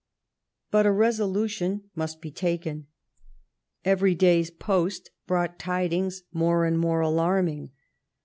But a resolution must be taken. Every day's post brought tidings more and more alarming.